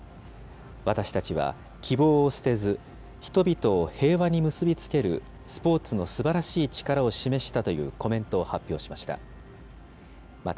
私たちは希望を捨てず、人々を平和に結び付けるスポーツのすばらしい力を示したというコメントを発表しました。